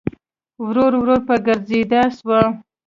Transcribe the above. ورو ورو په ګرځېدا سو.